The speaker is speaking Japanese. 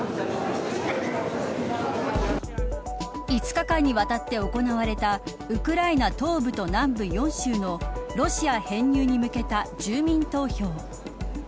５日間にわたって行われたウクライナ東部と南部４州のロシア編入に向けた住民投票。